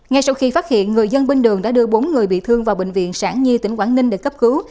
ngay sau khi phát hiện người dân bên đường đã đưa bốn người bị thương vào bệnh viện sản nhi tỉnh quảng ninh để cấp cứu